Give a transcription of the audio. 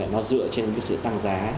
nó dựa trên cái sự tăng giá